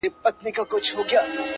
چي له تا مخ واړوي تا وویني-